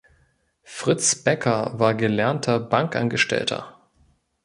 Fritz Becker war gelernter Bankangestellter.